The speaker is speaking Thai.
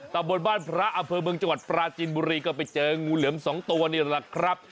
บนบ้านพระอำเภอเมืองจังหวัดปราจินบุรีก็ไปเจองูเหลือม๒ตัวนี่แหละครับ